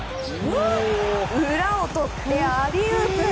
裏を取って、アリウープ！